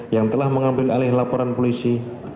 yang telah mengambil alih laporan polisi